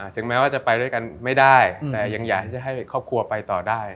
ถึงแม้ว่าจะไปด้วยกันไม่ได้แต่ยังอยากจะให้ครอบครัวไปต่อได้